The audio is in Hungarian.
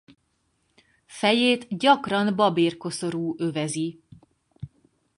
Fejét gyakran babérkoszorú övezi.